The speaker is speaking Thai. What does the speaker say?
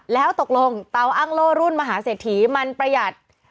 แล้วตกลงเตาอ้างโล่รุ่นมหาเศรษฐีมันประหยัด